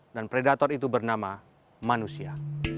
dan predator itu bernama manusia